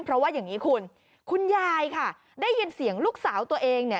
เพราะว่าอย่างนี้คุณคุณยายค่ะได้ยินเสียงลูกสาวตัวเองเนี่ย